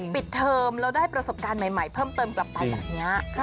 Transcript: เทอมแล้วได้ประสบการณ์ใหม่เพิ่มเติมกลับไปแบบนี้